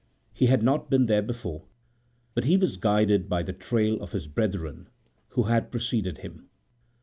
He had not been there before, but he was guided by the trail of his brethren who had preceded him.